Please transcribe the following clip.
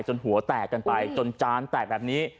หัวแตกกันไปจนจานแตกแบบนี้